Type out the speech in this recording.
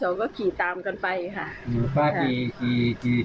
หลายปั้งหรอ